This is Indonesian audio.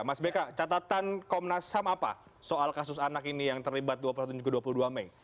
mas beka catatan komnas ham apa soal kasus anak ini yang terlibat dua ratus tujuh puluh dua mei